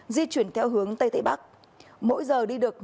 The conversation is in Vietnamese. di chuyển theo hướng tây tây bắc mỗi giờ đi được một mươi năm km